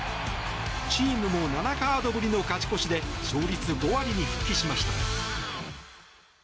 チームも７カードぶりの勝ち越しで勝率５割に復帰しました。